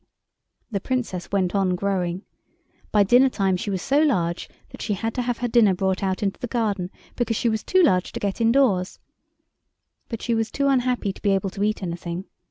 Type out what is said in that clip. The Princess went on growing. By dinner time she was so large that she had to have her dinner brought out into the garden because she was too large to get indoors. But she was too unhappy to be able to eat anything.